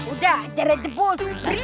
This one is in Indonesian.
udah jarak jebol